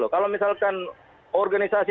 kalau misalkan organisasi